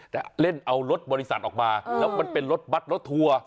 แต่เล่นเอารถบริษัทออกมาแล้วมันเป็นรถบัตรรถทัวร์